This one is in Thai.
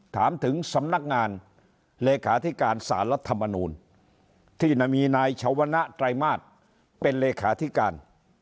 ถามถึงสำนักงานเลขาธิการสารรัฐมนูลที่มีนายชวนะไตรมาสเป็นเลขาธิการ